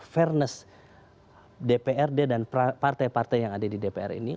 fairness dprd dan partai partai yang ada di dpr ini